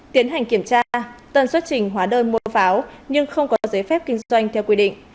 tiến hành kiểm tra tân xuất trình hóa đơn mua pháo nhưng không có giấy phép kinh doanh theo quy định